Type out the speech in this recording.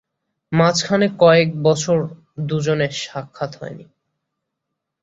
মাঝখানে কয়েক বছর দু'জনের সাক্ষাৎ হয়নি।